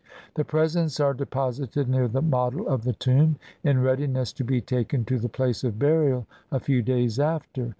The presents are deposited near the model of the tomb, in readiness to be taken to the place of burial a few days after.